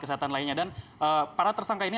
kesehatan lainnya dan para tersangka ini